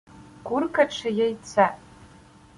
Курка чи яйце?